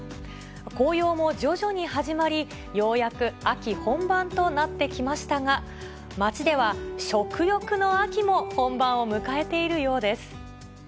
紅葉も徐々に始まり、ようやく秋本番となってきましたが、街では食欲の秋も本番を迎えているようです。